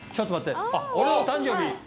俺の誕生日？